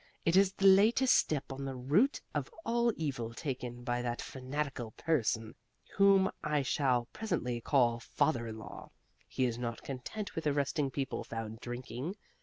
"It is the latest step on the route of all evil taken by that fanatical person whom I shall presently call father in law. He is not content with arresting people found drinking.